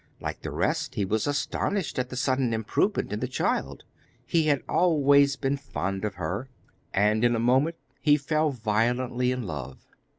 Like the rest, he was astonished at the sudden improvement in the child. He had always been fond of her, and in a moment he fell violently in love.